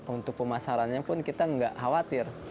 untuk pemasarannya pun kita nggak khawatir